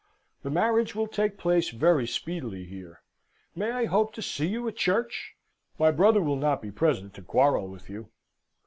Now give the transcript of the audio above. "The marriage will take place very speedily here. May I hope to see you at church? My brother will not be present to quarrel with you.